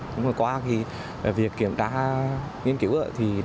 trong năm vừa qua việc kiểm tra nghiên cứu